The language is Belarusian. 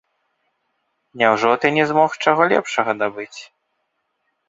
Няўжо ты не змог чаго лепшага дабыць?